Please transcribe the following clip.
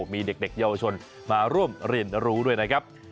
มีเด็กเยาวชนมาร่วมเรียนรู้ด้วยนะครับ